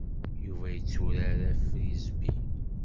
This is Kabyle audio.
Yuba yetturar afrizbi.